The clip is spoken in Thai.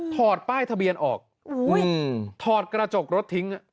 ถอดป้ายทะเบียนออกถอดกระจกรถทิ้ง